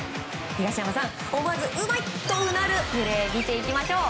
東山さん、思わずうまいとうなるプレーを見ていきましょう。